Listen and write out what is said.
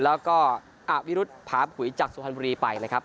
แล้วก็อาบวิรุษภาพหุยจากสุธรรมบุรีไปนะครับ